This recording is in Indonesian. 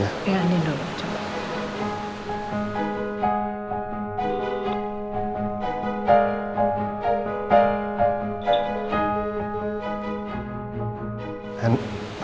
iya andin dulu coba